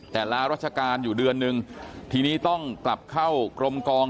แต่ลารัชการอยู่เดือนนึงทีนี้ต้องกลับเข้ากรมกอง